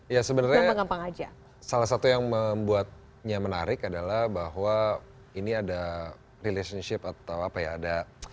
ya sebenarnya salah satu yang membuatnya menarik adalah bahwa ini ada relationship atau apa ya ada